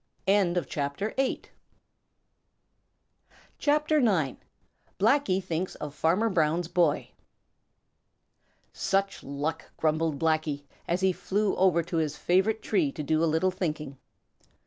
CHAPTER IX: Blacky Thinks Of Farmer Brown's Boy "Such luck!" grumbled Blacky, as he flew over to his favorite tree to do a little thinking.